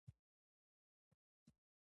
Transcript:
د ګیتا نجلي د متن څو بېلګې.